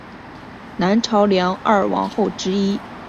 南朝梁二王后之一。